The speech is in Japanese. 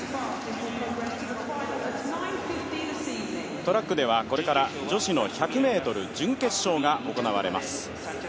トラックではこれから女子の１００ｍ準決勝が行われます。